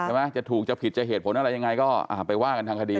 จะถูกจะผิดจะเหตุผลอะไรยังไงก็ไปว่ากันทางคดี